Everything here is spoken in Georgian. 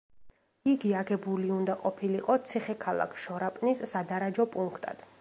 იგი აგებული უნდა ყოფილიყო ციხე-ქალაქ შორაპნის სადარაჯო პუნქტად.